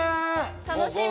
楽しみ。